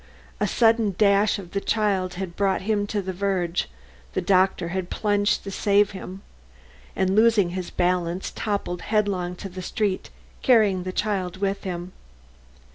A sudden dash of the child had brought him to the verge, the doctor had plunged to save him, and losing his balance toppled headlong to the street, carrying the child with him.